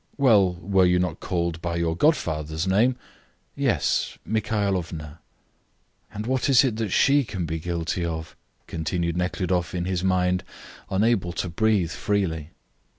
"Well, were you not called by your godfather's name?" "Yes, Mikhaelovna." "And what is it she can be guilty of?" continued Nekhludoff, in his mind, unable to breathe freely.